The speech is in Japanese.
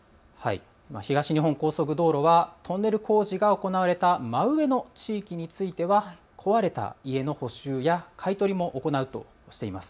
東日本高速道路はトンネル工事が行われた真上の地域については壊れた家の補修や買い取りも行うとしています。